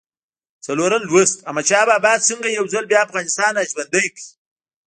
څلورم لوست: احمدشاه بابا څنګه یو ځل بیا افغانستان را ژوندی کړ؟